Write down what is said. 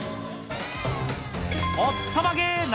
おったまげーな